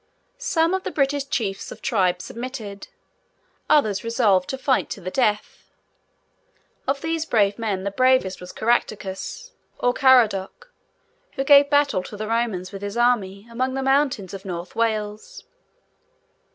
Some of the British Chiefs of Tribes submitted. Others resolved to fight to the death. Of these brave men, the bravest was Caractacus, or Caradoc, who gave battle to the Romans, with his army, among the mountains of North Wales.